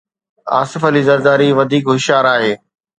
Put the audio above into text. آصف علي زرداري وڌيڪ هوشيار آهي.